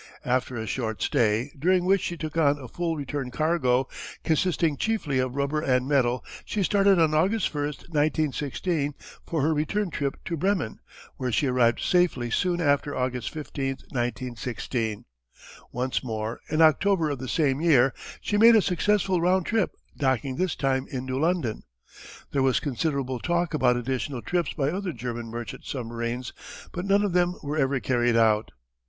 After a short stay, during which she took on a full return cargo, consisting chiefly of rubber and metal, she started on August 1, 1916, for her return trip to Bremen where she arrived safely soon after August 15, 1916. Once more, in October of the same year she made a successful round trip, docking this time in New London. There was considerable talk about additional trips by other German merchant submarines, but none of them were ever carried out.